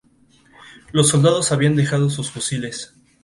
Los soldados habían dejado sus fusiles.